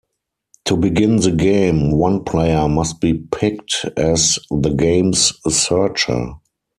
To begin the game, one player must be picked as the game's "searcher".